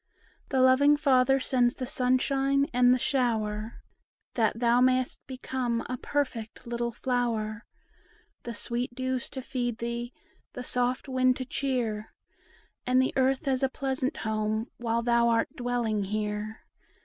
The loving Father sends the sunshine and the shower, That thou mayst become a perfect little flower;— The sweet dews to feed thee, the soft wind to cheer, And the earth as a pleasant home, while thou art dwelling here.